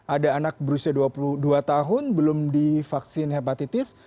ada anak berusia dua puluh dua tahun belum divaksin hepatitis